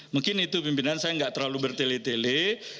mungkin itu pimpinan saya nggak terlalu bertele tele